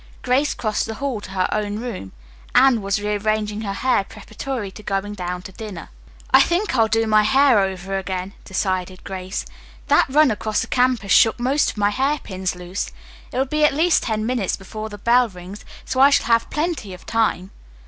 Grace crossed the hall to her own room. Anne was rearranging her hair preparatory to going down to dinner. "I think I'll do my hair over again," decided Grace. "That run across the campus shook most of my hairpins loose. It will be at least ten minutes before the bell rings, so I shall have plenty of time."